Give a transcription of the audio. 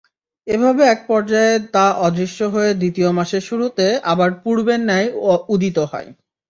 এভাবে এক পর্যায়ে তা অদৃশ্য হয়ে দ্বিতীয় মাসের শুরুতে আবার পূর্বের ন্যায় উদিত হয়।